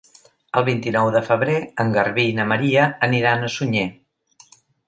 El vint-i-nou de febrer en Garbí i na Maria aniran a Sunyer.